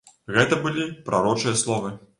Гэта былі прарочыя словы.